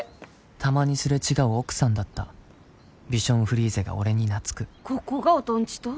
たまにすれ違う奥さんだったビションフリーゼが俺に懐くここが音んちと？